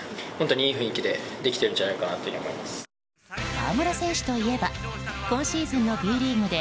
河村選手といえば今シーズンのＢリーグで